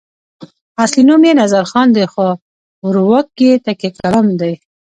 اصلي نوم یې نظرخان دی خو ورورک یې تکیه کلام دی.